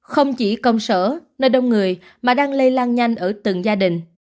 không chỉ công sở nơi đông người mà đang lây lan nhanh ở từng gia đình